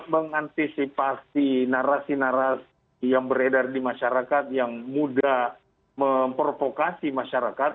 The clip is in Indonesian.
mengantisipasi narasi narasi yang beredar di masyarakat yang mudah memprovokasi masyarakat